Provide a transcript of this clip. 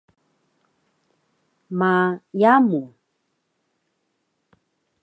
ma yamu!